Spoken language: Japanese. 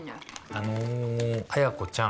あの彩子ちゃん